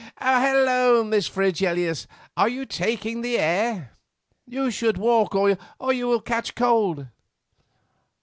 Hullo! Miss Fregelius, are you taking the air? You should walk, or you will catch cold."